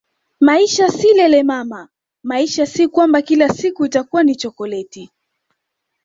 Maisha si lele mama maisha si kwamba kila siku itakuwa ni chokoleti